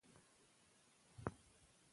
او بيا خپلو حقدارانو ته رسول ،